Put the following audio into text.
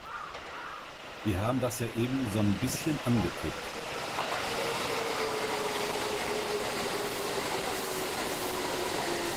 Wir haben das ja eben so'n bisschen angetippt.